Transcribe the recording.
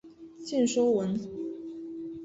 见说文。